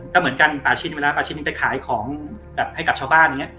ก็เหมือนกันป่าชิ้นมาแล้วปลาชิ้นนึงไปขายของแบบให้กับชาวบ้านอย่างนี้